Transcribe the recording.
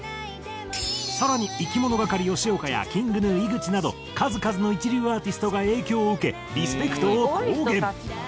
更にいきものがかり吉岡やＫｉｎｇＧｎｕ井口など数々の一流アーティストが影響を受けリスペクトを公言。